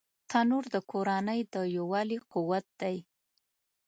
تنور د کورنۍ د یووالي قوت دی